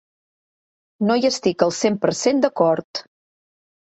No hi estic el cent per cent d'acord.